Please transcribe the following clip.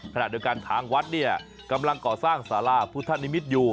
ขณะเดียวกันทางวัดเนี่ยกำลังก่อสร้างสาราพุทธนิมิตรอยู่